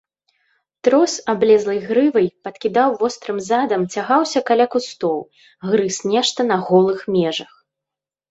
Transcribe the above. Трос аблезлай грывай, падкідаў вострым задам, цягаўся каля кустоў, грыз нешта на голых межах.